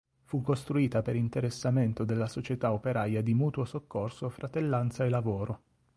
Fu costruita per interessamento della Società operaia di mutuo soccorso "Fratellanza e Lavoro".